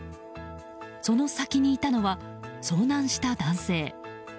その先にいたのは遭難した男性。